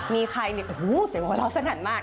มีใครโอ้โฮสิวะลาสนั่นมาก